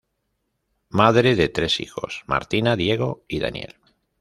Madre de tres hijos: Martina, Diego y Daniel.